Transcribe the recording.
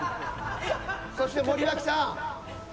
そして森脇さん